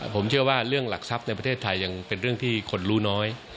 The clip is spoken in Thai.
ผมเชื่อว่าเรื่องหลักทรัพย์ในประเทศไทยยังเป็นเรื่องที่คนรู้น้อย